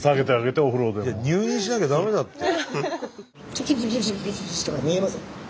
いや入院しなきゃ駄目だって。